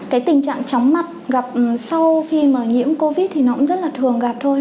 cái tình trạng chóng mặt gặp sau khi mà nhiễm covid thì nó cũng rất là thường gặp thôi